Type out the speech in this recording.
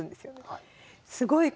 はい。